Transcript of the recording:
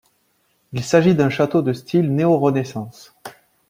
Il s’agit d’un château de style néo-Renaissance.